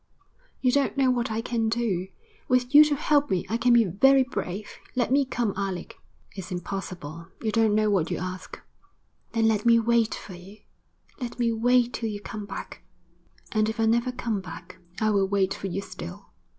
'You don't know what I can do. With you to help me I can be very brave. Let me come, Alec.' 'It's impossible. You don't know what you ask.' 'Then let me wait for you. Let me wait till you come back.' 'And if I never come back?' 'I will wait for you still.'